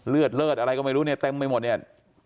เลือดเลิศอะไรก็ไม่รู้เนี่ยเต็มไปหมดเนี่ย